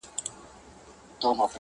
که تاسي په کوم رستورانت